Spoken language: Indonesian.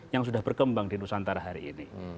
yang sudah berkembang di nusantara hari ini